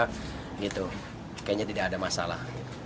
kayaknya tidak ada masalah